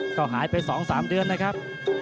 ก็หายไป๒๓เดือนนะครับ